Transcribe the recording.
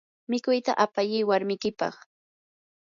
mikuyta apayi warmikipaq.